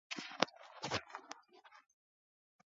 Kwa kukipendelea chama tawala.